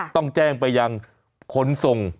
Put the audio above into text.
ต้องแจ้งไปยังขนส่ง